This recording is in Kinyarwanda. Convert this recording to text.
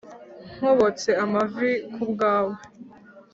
Nkobotse amavi kubwawe